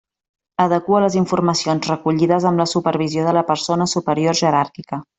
Adequa les informacions recollides, amb la supervisió de la persona superior jeràrquica.